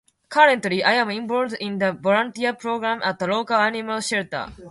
Currently, I am involved in a volunteer program at a local animal shelter.